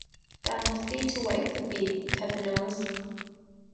That must be to wipe the feet, Pépinois.